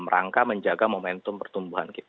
rangka menjaga momentum pertumbuhan kita